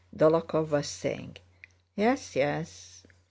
Dólokhov was saying. "Yes, yes."